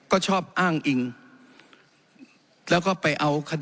ขออนุโปรประธานครับขออนุโปรประธานครับขออนุโปรประธานครับ